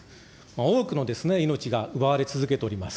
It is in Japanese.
多くの命が奪われ続けております。